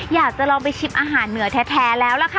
อยากจะลองไปชิมอาหารเหนือแท้แล้วล่ะค่ะ